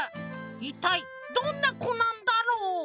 いったいどんなこなんだろう？